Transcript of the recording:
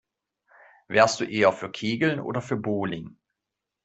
Wärst du eher für Kegeln oder für Bowling?